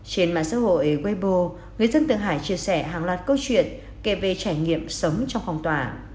trên mạng xã hội webo người dân tự hải chia sẻ hàng loạt câu chuyện kể về trải nghiệm sống trong phong tỏa